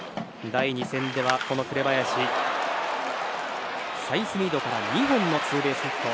第２戦では紅林はサイスニードから２本のツーベースヒット。